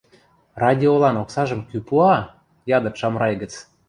— Радиолан оксажым кӱ пуа? — ядыт Шамрай гӹц.